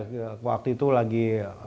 iya waktu itu lagi